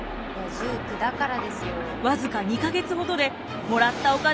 １９だからですよ。